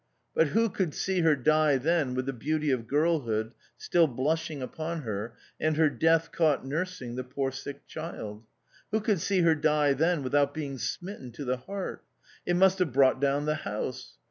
But who could see her die then with the beauty of girlhood still blushing upon her, and her death caught nursing the poor sick child ; who could see her die then without being smitten to the heart? It must have brought down the house.